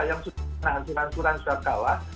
yang sudah menahan silahkan sudah kalah